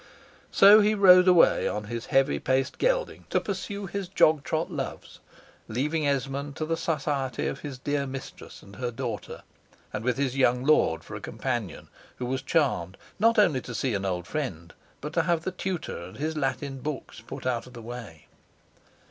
So he rode away on his heavy paced gelding to pursue his jog trot loves, leaving Esmond to the society of his dear mistress and her daughter, and with his young lord for a companion, who was charmed, not only to see an old friend, but to have the tutor and his Latin books put out of the way.